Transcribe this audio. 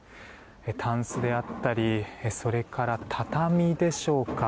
たんすであったりそれから畳でしょうか。